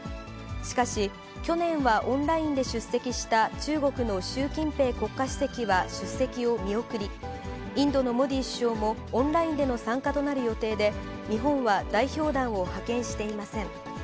しかし、去年はオンラインで出席した中国の習近平国家主席は出席を見送り、インドのモディ首相も、オンラインでの参加となる予定で、日本は代表団を派遣していません。